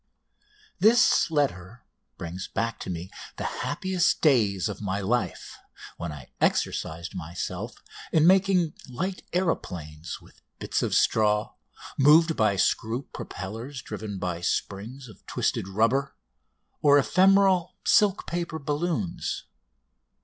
This letter brings back to me the happiest days of my life, when I exercised myself in making light aeroplanes with bits of straw, moved by screw propellers driven by springs of twisted rubber, or ephemeral silk paper balloons.